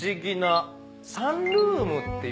サンルームっていう概念がね